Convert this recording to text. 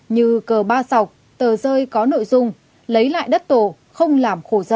như cờ ba sọc tờ rơi có nội dung lấy lại đất tổ không làm khổ giặ